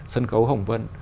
sân khấu hồng vân